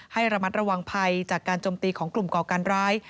ให้ระมัดระวังภัยจากการจมตีของกลุ่มก่อการร้าย